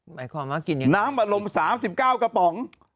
หลายความมากินอย่างงี้น้ำอารมณ์๓๙กระป๋อง